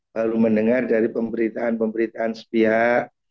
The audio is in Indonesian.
lalu mendengar dari pemberitaan pemberitaan sepihak